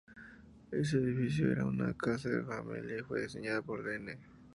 Éste edificio era una casa de familia y fue diseñada por Dn.